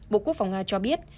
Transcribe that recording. bộ quốc phòng nga cho biết